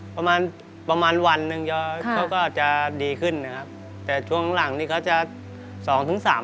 ประมาณวันหนึ่งเขาก็จะดีขึ้นนะครับ